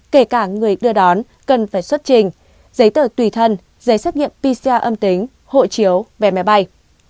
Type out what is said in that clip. kể cả người đưa đón cần phải xuất trình giấy tờ tùy thân giấy xét nghiệm pcr âm tính hộ chiếu về máy bay